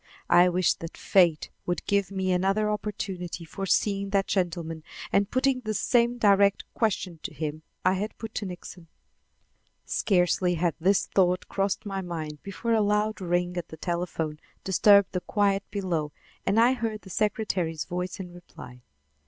I wished that fate would give me another opportunity for seeing that gentleman and putting the same direct question to him I had put to Nixon. Scarcely had this thought crossed my mind before a loud ring at the telephone disturbed the quiet below and I heard the secretary's voice in reply.